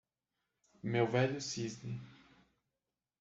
Meu velho cisne